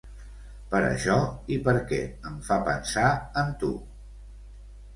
Per això i perquè em fa pensar en tu.